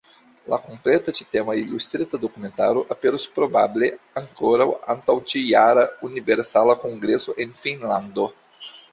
La kompleta ĉi-tema ilustrita dokumentaro aperos probable ankoraŭ antaŭ ĉi-jara Universala Kongreso en Finnlando.